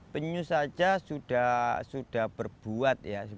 penyu saja sudah berbuat